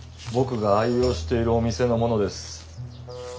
僕が愛用しているお店のものです。